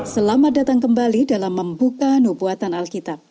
selamat datang kembali dalam membuka nubuatan alkitab